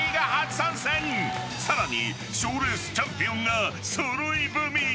［さらに賞レースチャンピオンが揃い踏み］